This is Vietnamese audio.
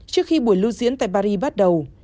trước khi buổi lưu diễn tại paris bắt đầu